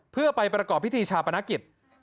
เพื่อไปประกอบพิธีชาปนกิจ